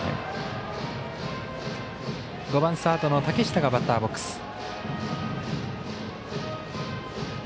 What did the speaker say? ５番サードの竹下がバッターボックス。